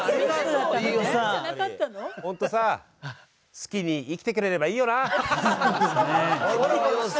好きに生きてくれればいいよな。